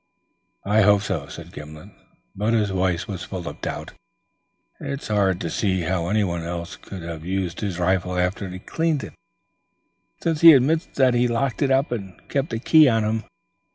"I hope so," said Gimblet, but his voice was full of doubt. "It's hard to see how anyone else could have used his rifle after he cleaned it, since he admits that he locked it up and kept the key on him.